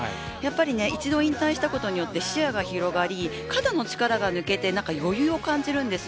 一度引退したことで視野が広がり肩の力が抜けて余裕を感じるんです。